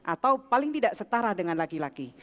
atau paling tidak setara dengan laki laki